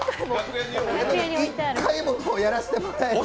一回もやらせてもらえない。